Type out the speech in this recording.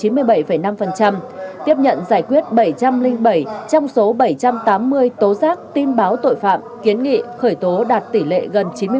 tiếp nhận giải quyết bảy trăm linh bảy trong số bảy trăm tám mươi tố giác tin báo tội phạm kiến nghị khởi tố đạt tỷ lệ gần chín mươi